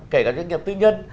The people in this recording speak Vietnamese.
kể cả doanh nghiệp tư nhân